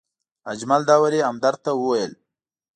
اجمل داوري همدرد ته وویل.